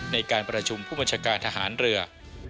ในการประชุมผู้บัญชาการทหารเรือ